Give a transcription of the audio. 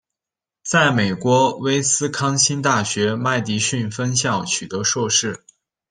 在美国威斯康辛大学麦迪逊分校取得硕士。